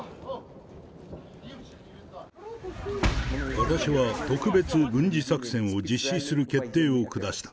私は特別軍事作戦を実施する決定を下した。